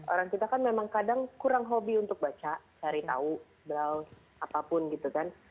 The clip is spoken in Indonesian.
orang kita kan memang kadang kurang hobi untuk baca cari tahu browth apapun gitu kan